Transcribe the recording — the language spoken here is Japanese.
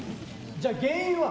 じゃ原因は？